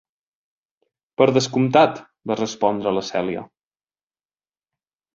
"Per descomptat", va respondre la Celia.